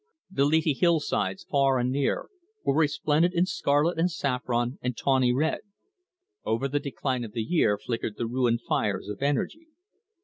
The leafy hill sides, far and near, were resplendent in scarlet and saffron and tawny red. Over the decline of the year flickered the ruined fires of energy.